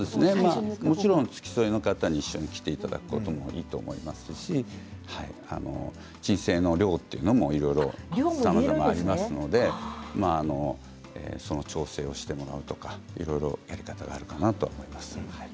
もちろん付き添いの方に一緒に来ていただくのもいいと思いますし、鎮静剤の量も、いろいろとありますので調整をしてもらうとかいろいろやり方があるかなと思います。